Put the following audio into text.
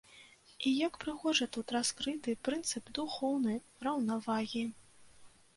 І як прыгожа тут раскрыты прынцып духоўнай раўнавагі!